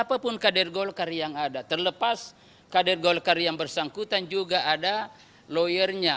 apapun kader golkar yang ada terlepas kader golkar yang bersangkutan juga ada lawyernya